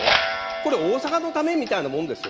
これ、大阪のためみたいなもんですよ。